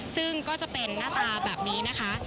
ซึ่งก็จะเป็นหน้าตาแบบนี้นะคะ